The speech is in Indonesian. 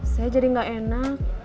saya jadi gak enak